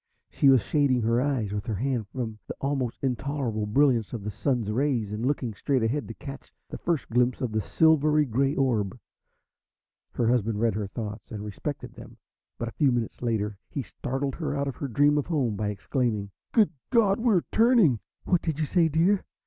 She was shading her eyes with her hand from the almost intolerable brilliance of the Sun's rays, and looking straight ahead to catch the first glimpse of the silver grey orb. Her husband read her thoughts and respected them. But a few minutes later he startled her out of her dream of home by exclaiming: "Good God, we're turning!" "What do you say, dear?